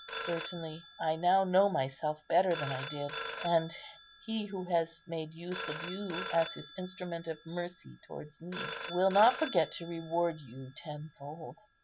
Certainly, I now know myself better than I did; and He who has made use of you as His instrument of mercy towards me, will not forget to reward you tenfold.